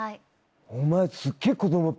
お前。